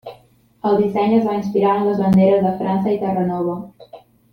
El disseny es va inspirar en les banderes de França i Terranova.